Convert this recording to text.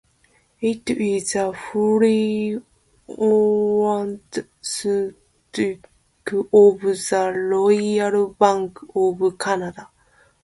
It is a wholly owned subsidiary of the Royal Bank of Canada.